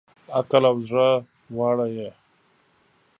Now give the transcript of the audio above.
عقل او زړه واړه یې